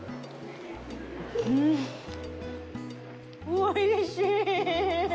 おいしい。